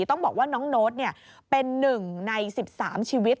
ต้องบอกว่าน้องโน๊ตเป็นหนึ่งใน๑๓ชีวิต